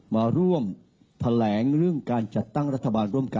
มาร่วมแถลงเรื่องการจัดตั้งรัฐบาลร่วมกัน